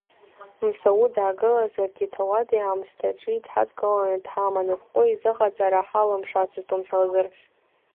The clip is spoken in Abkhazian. Мсауҭ даагылазаргьы ҭауади-аамысҭҽи дҳадкыланы дҳаман, ашәҟәы изыҟаҵара ҳалымшацызт умҳәозар.